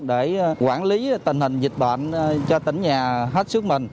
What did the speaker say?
để quản lý tình hình dịch bệnh cho tỉnh nhà hết sức mình